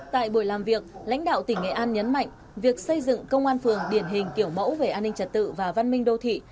tại buổi làm việc lãnh đạo tỉnh nghệ an nhấn mạnh việc xây dựng công an phường điển hình kiểu mẫu về an ninh trật tự và văn minh đô thị